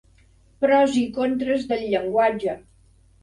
Pros i contres del llenguatge.